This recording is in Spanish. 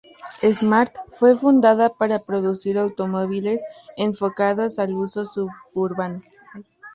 Smart fue fundada para producir automóviles enfocados al uso suburbano.